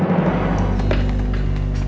sekali lagi ya pak